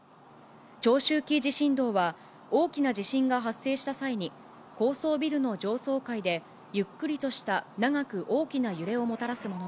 長周期地震動は、大きな地震が発生した際に、高層ビルの上層階でゆっくりとした長く大きな揺れをもたらすもの